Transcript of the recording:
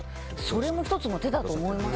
それも１つの手だと思います。